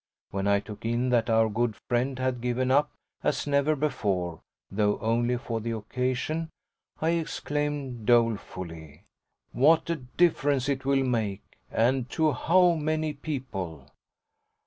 When I took in that our good friend had given up as never before, though only for the occasion, I exclaimed dolefully: "What a difference it will make and to how many people!"